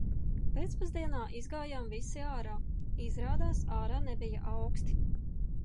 Pēcpusdienā izgājām visi ārā. Izrādās ārā nebija auksti.